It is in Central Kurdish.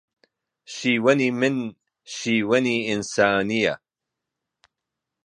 شیوەنی من شیوەنی ئینسانییە